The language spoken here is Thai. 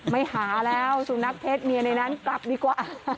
ไม่หาแล้วสุนัขเพศเมียในนั้นกลับดีกว่า